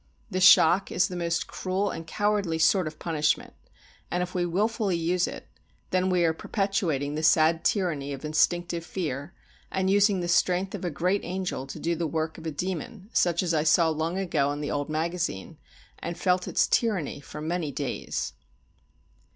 The shock is the most cruel and cowardly sort of punishment, and if we wilfully use it, then we are perpetuating the sad tyranny of instinctive fear, and using the strength of a great angel to do the work of a demon, such as I saw long ago in the old magazine, and felt its tyranny for many days.